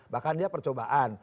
bahkan dia percobaan